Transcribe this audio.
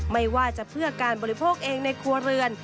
ไม่ว่าจะเพื่อการบริโภคเองในครัวเรือน